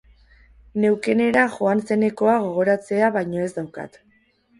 Neukenera joan zenekoa gogoratzea baino ez daukat.